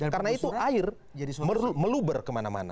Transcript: karena itu air meluber kemana mana